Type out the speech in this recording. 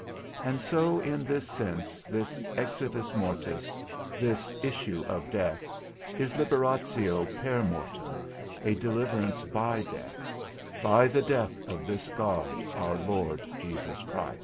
And so in this sense, this exitus mortis, this issue of death, is liberatio per mortem, a deliverance by death, by the death of this God, our Lord Christ Jesus.